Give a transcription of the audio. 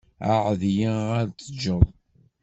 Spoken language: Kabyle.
Ɛahed-iyi ar t-tgeḍ.